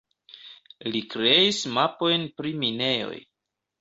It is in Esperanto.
Li kreis mapojn pri minejoj.